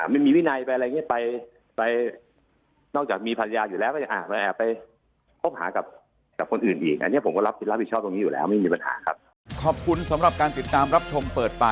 ไม่มีวินัยไปอะไรอย่างนี้ไป